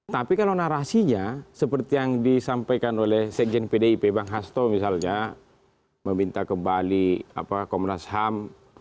tapi kalau narasinya seperti yang disampaikan oleh sekjen pdip bang hasto misalnya meminta kembali komnas ham